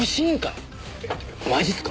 マジっすか？